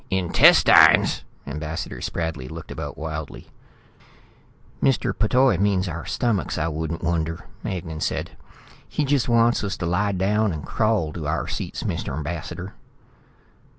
"Intestines?" Ambassador Spradley looked about wildly. "Mr. P'Toi means our stomachs, I wouldn't wonder," Magnan said. "He just wants us to lie down and crawl to our seats, Mr. Ambassador."